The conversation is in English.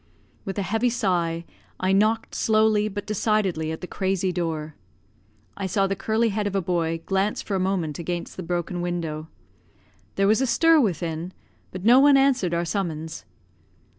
With a heavy sigh, I knocked slowly but decidedly at the crazy door. I saw the curly head of a boy glance for a moment against the broken window. There was a stir within, but no one answered our summons.